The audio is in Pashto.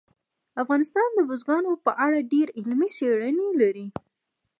افغانستان د بزګانو په اړه ډېرې علمي څېړنې لري.